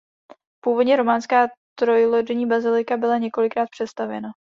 Původně románská trojlodní bazilika byla několikrát přestavěna.